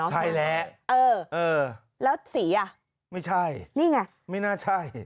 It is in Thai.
ใช่แล้วเออแล้วสีอ่ะไม่ใช่นี่ไงไม่น่าใช่